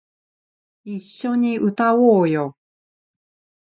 一緒に歌おうよ